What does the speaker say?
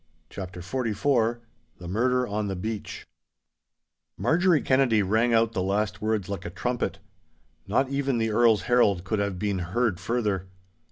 *CHAPTER XLIV* *THE MURDER UPON THE BEACH* Marjorie Kennedy rang out the last words like a trumpet. Not even the Earl's herald could have been heard further.